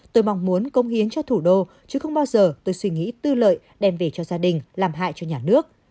tôi mong muốn công hiến cho thủ đô chứ không bao giờ tôi suy nghĩ tư lợi đem về cho gia đình làm hại cho nhà nước